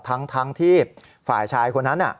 ทั้งที่ฝ่ายชายคนนั้น